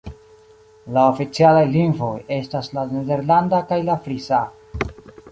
La oficialaj lingvoj estas la nederlanda kaj la frisa.